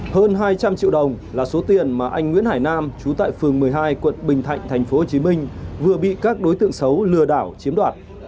hơn hai trăm linh triệu đồng là số tiền mà anh nguyễn hải nam trú tại phường một mươi hai quận bình thạnh tp hcm vừa bị các đối tượng xấu lừa đảo chiếm đoạt